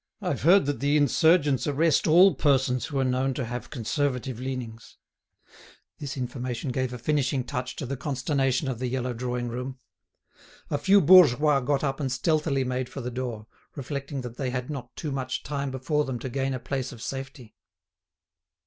"I've heard that the insurgents arrest all persons who are known to have conservative leanings." This information gave a finishing touch to the consternation of the yellow drawing room. A few bourgeois got up and stealthily made for the door, reflecting that they had not too much time before them to gain a place of safety.